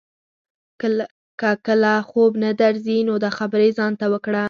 که کله خوب نه درځي نو دا خبرې ځان ته وکړه.